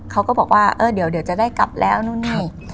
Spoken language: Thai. เขาก็บอกว่าเออเดี๋ยวจะได้กลับแล้วนู่นนี่